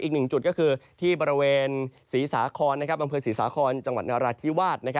อีก๓จุดคือที่บริเวณบริสุธิสาขอนจังหวัดอนราชิกิวาส